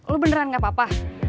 lo beneran gak apa apa